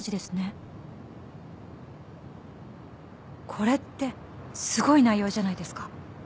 これってすごい内容じゃないですか。